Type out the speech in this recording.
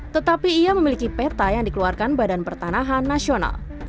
tetapi ia memiliki peta yang dikeluarkan badan pertanahan nasional